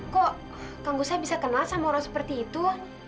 kok kang gusnya bisa kenal sama orang seperti itu